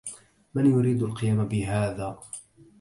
من يريد القيام بهذا؟